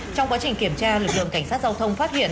trong quá trình kiểm tra lực lượng cảnh sát giao thông phát hiện